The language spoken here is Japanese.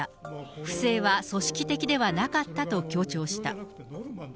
不正は組織的ではなかったと強調した。